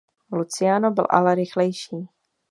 Luciano byl ale rychlejší.